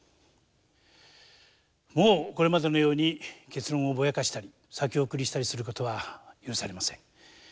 もうこれまでのように結論をぼやかしたり先送りしたりすることは許されません。